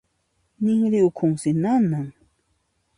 Ninrin ukhunsi nanan.